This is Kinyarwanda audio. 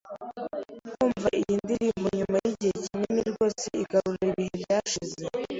Kumva iyi ndirimbo nyuma yigihe kinini rwose igarura ibihe byashize.